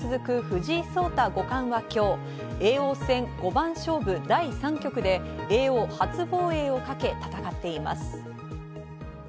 藤井聡太五冠は今日、叡王戦五番勝負第３局で叡王初防衛をかけ戦っています。